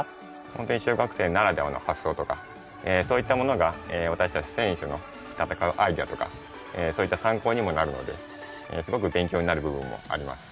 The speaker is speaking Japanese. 本当に小学生ならではの発想とかそういったものがわたしたち選手のたたかうアイデアとかそういったさんこうにもなるのですごく勉強になる部分もあります。